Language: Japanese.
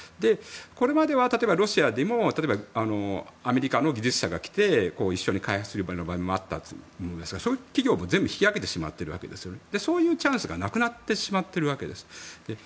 これまでは例えば、ロシアでもアメリカの技術者が来て一緒に開発するような場面もあったと思いますがそういう企業も全部引きあげてしまっているわけでそういうチャンスがなくなってしまっているわけです。